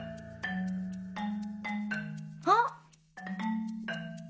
あっ！